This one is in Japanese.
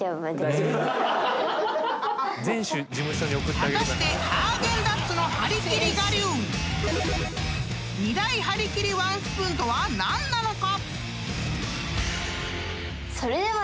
［果たしてハーゲンダッツのはりきり我流２大はりきりワンスプーンとは何なのか？］